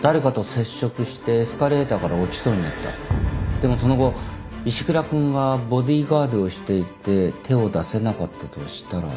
でもその後石倉君がボディーガードをしていて手を出せなかったとしたら。